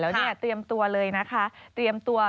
จะต้องกว้างตัวเลยก่อน